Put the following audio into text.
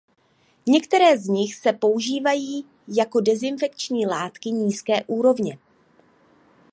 Některé z nich se používají jako dezinfekční látky nízké úrovně.